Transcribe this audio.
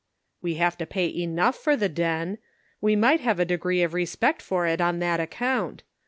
" We have to pay enough for the den. We might have a degree of respect for it on that account.